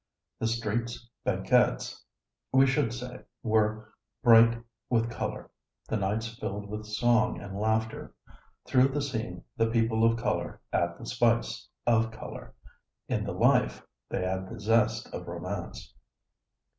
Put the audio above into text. The streets, banquettes, we should say, were bright with color, the nights filled with song and laughter. Through the scene, the people of color add the spice of color; in the life, they add the zest of romance.